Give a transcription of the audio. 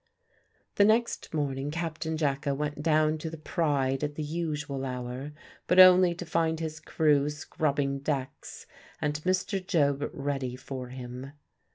The next morning Captain Jacka went down to the Pride at the usual hour, but only to find his crew scrubbing decks and Mr. Job ready for him.